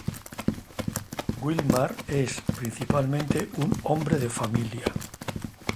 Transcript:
Wilmar es, principalmente, un hombre de familia.